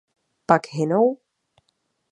Pak hynou?